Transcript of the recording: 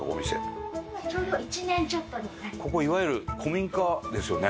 ここいわゆる古民家ですよね？